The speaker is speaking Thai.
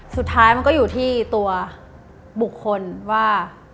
สุดท้ายมันก็อยู่ที่ตัวบุคคลว่า